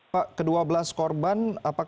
pak ke dua belas korban